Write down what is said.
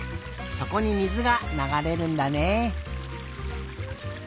そこに水がながれるんだね。